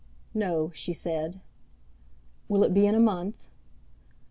"No," she said. "Will it be in a month?"